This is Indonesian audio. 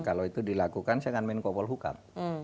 kalau itu dilakukan saya akan main kopal hukum